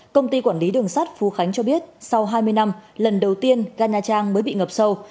công ty quản lý đường sắt phú khánh cho biết sau hai mươi năm lần đầu tiên ga nha trang mới bị ngập sâu